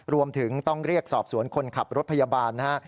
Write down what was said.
รวมถึงต้องเรียกสอบสวนคนขับรถพยาบาลนะฮะ